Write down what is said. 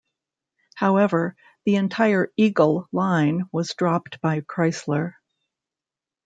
However, the entire Eagle line was dropped by Chrysler.